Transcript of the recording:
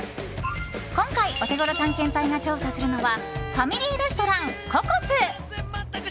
今回、オテゴロ探検隊が調査するのはファミリーレストラン、ココス！